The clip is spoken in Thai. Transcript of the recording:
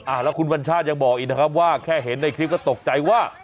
อ่าแล้วคุณบรรชาติยังบอกอีกนะครับว่าแค่เห็นที่อย่างในคลิปก็ตกใจว่า